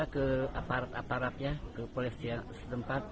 ke aparat aparatnya ke polisi setempat